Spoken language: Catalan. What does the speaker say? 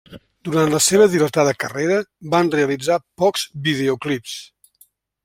Durant la seua dilatada carrera van realitzar pocs videoclips.